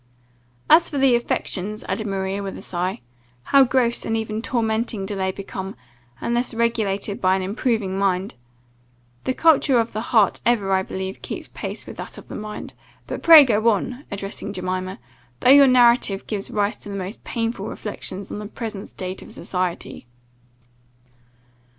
"And as for the affections," added Maria, with a sigh, "how gross, and even tormenting do they become, unless regulated by an improving mind! The culture of the heart ever, I believe, keeps pace with that of the mind. But pray go on," addressing Jemima, "though your narrative gives rise to the most painful reflections on the present state of society."